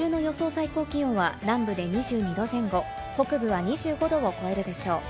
最高気温は、南部で２２度前後、北部は２５度を超えるでしょう。